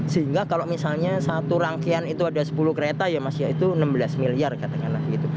sehingga kalau misalnya satu rangkaian itu ada sepuluh kereta ya mas ya itu enam belas miliar katakanlah gitu